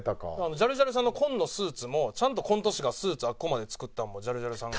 ジャルジャルさんの紺のスーツもちゃんとコント師がスーツをあそこまで作ったのもジャルジャルさんが。